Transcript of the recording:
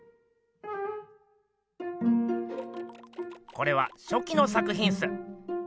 これはしょきの作品っす。